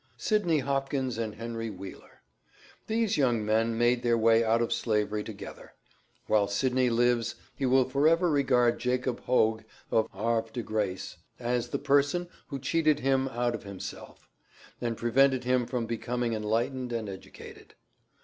Sydney Hopkins and Henry Wheeler. These young men made their way out of Slavery together. While Sydney lives he will forever regard Jacob Hoag, of Havre de Grace, as the person who cheated him out of himself, and prevented him from becoming enlightened and educated.